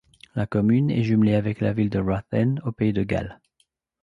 La commune est jumelée avec la ville de Ruthin au Pays de Galles.